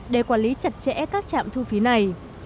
để quản lý chặt chẽ các trạm thu phí này